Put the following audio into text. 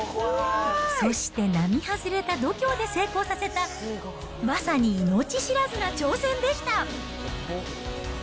そして並外れた度胸で成功させた、まさに命知らずな挑戦でした。